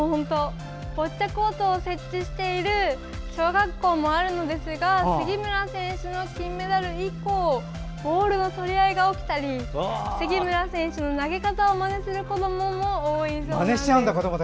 ボッチャコートを設置している小学校もあるのですが杉村選手の金メダル以降ボールの取り合いが起きたり杉村選手の投げ方をまねする子どもも多いそうですよ。